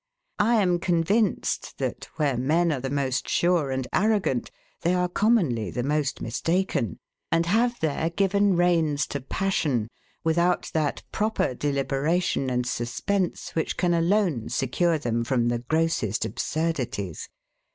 I am convinced that, where men are the most sure and arrogant, they are commonly the most mistaken, and have there given reins to passion, without that proper deliberation and suspense, which can alone secure them from the grossest absurdities.